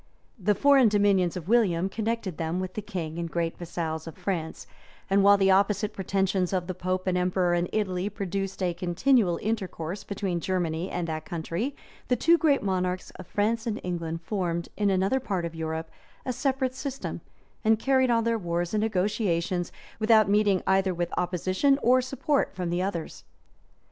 The foreign dominions of William connected them with the king and great vassals of France; and while the opposite pretensions of the pope and emperor in Italy produced a continual intercourse between Germany and that country, the two great monarchs of France and England formed, in another part of Europe, a separate system, and carried on their wars and negotiations, without meeting either with opposition or support from the others.